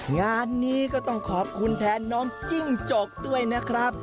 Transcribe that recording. งานนี้ก็ต้องขอบคุณแทนน้องจิ้งจกด้วยนะครับ